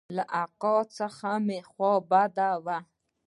له اکا څخه مې خوا بده وه.